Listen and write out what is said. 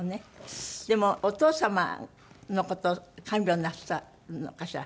でもお父様の事を看病なすったのかしら？